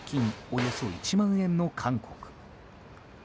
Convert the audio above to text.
およそ１万円の韓国。